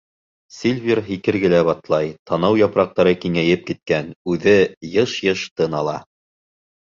Сильвер һикергеләп атлай, танау япраҡтары киңәйеп киткән, үҙе йыш-йыш тын ала.